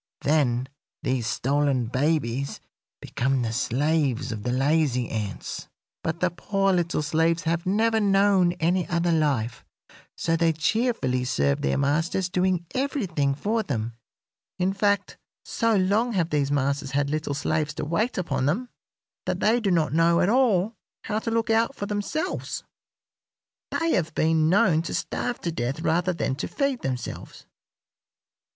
Then these stolen babies become the slaves of the lazy ants; but the poor little slaves have never known any other life, so they cheerfully serve their masters, doing everything for them; in fact, so long have these masters had little slaves to wait upon them that they do not know at all how to look out for themselves. They have been known to starve to death rather than to feed themselves."